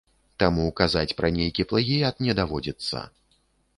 Таму казаць пра нейкі плагіят не даводзіцца.